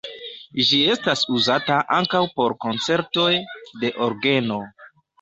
Ĝi estas uzata ankaŭ por koncertoj de orgeno.